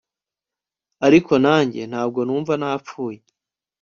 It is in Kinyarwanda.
ariko nanjye ntabwo numva napfuye